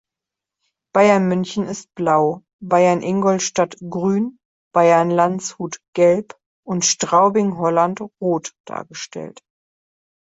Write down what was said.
Bayern-München ist blau, Bayern-Ingolstadt grün, Bayern-Landshut gelb und Straubing-Holland rot dargestellt.